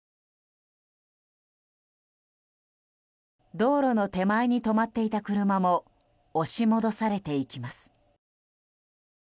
道路の手前に止まっていた車も押し戻されていきます。